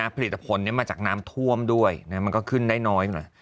ผลิตผลมาจากน้ำท่วมด้วยมันก็ขึ้นได้น้อยหน่อย